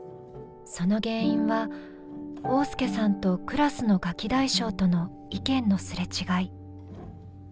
その原因は旺亮さんとクラスのガキ大将との意見のすれ違い。